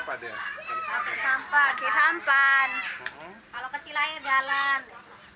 kalau kecil air jalan